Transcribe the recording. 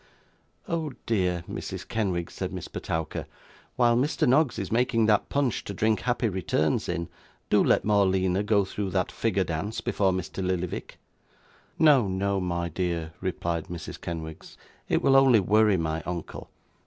'Oh dear, Mrs. Kenwigs,' said Miss Petowker, 'while Mr. Noggs is making that punch to drink happy returns in, do let Morleena go through that figure dance before Mr. Lillyvick.' 'No, no, my dear,' replied Mrs. Kenwigs, 'it will only worry my uncle.